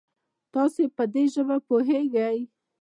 تاسو په دي ژبه پوهږئ؟